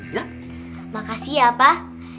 nanti papa kasih baju yang paling jelek